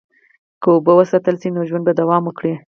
که اوبه وساتل شي، نو ژوند به دوام وکړي.